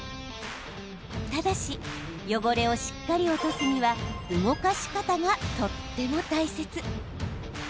ただし汚れをしっかり落とすには動かし方がとっても大切。